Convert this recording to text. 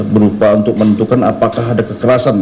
berupa untuk menentukan apakah ada kekerasan